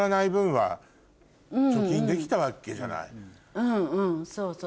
うんうんそうそう。